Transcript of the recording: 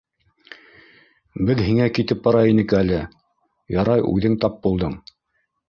Беҙ һиңә китеп бара инек әле, ярай, үҙең тап булдың.